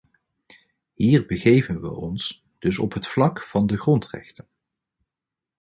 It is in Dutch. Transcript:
Hier begeven we ons dus op het vlak van de grondrechten.